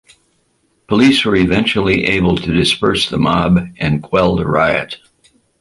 Police were eventually able to disperse the mob and quell the riot.